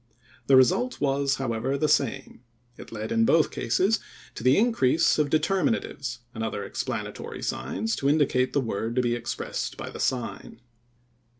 The result was, however, the same. It led in both cases to the increase of determinatives, and other explanatory signs to indicate the word to be expressed by the sign.